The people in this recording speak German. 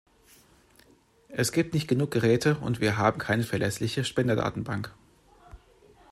Es gibt nicht genug Geräte und wir haben keine verlässliche Spenderdatenbank.